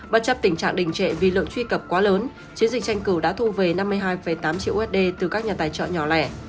bất chấp tình trạng đình trệ vì lượng truy cập quá lớn chiến dịch tranh cử đã thu về năm mươi hai tám triệu usd từ các nhà tài trợ nhỏ lẻ